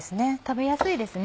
食べやすいです